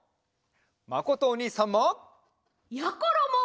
まことおにいさんも！やころも！